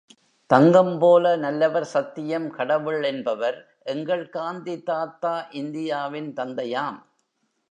தங்கம் போல நல்லவர் சத்தியம் கடவுள் என்பவர் எங்கள் காந்தி தாத்தா இந்தியாவின் தந்தையாம்.